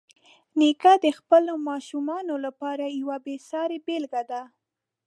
نیکه د خپلو ماشومانو لپاره یوه بېسارې بېلګه ده.